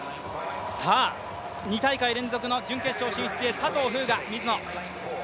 さあ、２大会連続の準決勝進出へ、佐藤風雅、ミズノ。